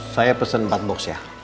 saya pesen empat box ya